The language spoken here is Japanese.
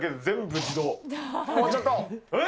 もうちょっと。